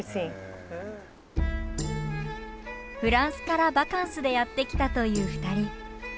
フランスからバカンスでやって来たという２人。